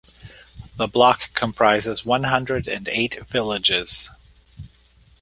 The block comprises one hundred and eight villages.